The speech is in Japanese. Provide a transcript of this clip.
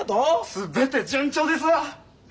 全て順調ですわ！